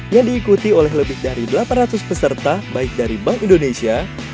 yang diikuti oleh lebih dari delapan ratus peserta baik dari bank indonesia